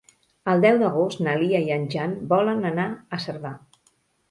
El deu d'agost na Lia i en Jan volen anar a Cerdà.